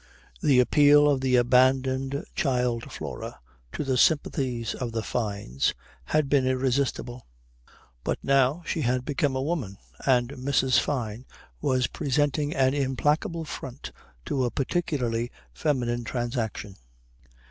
The appeal of the abandoned child Flora to the sympathies of the Fynes had been irresistible. But now she had become a woman, and Mrs. Fyne was presenting an implacable front to a particularly feminine transaction.